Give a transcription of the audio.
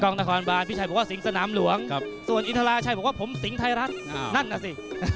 นครบานพี่ชัยบอกว่าสิงสนามหลวงส่วนอินทราชัยบอกว่าผมสิงห์ไทยรัฐนั่นน่ะสิ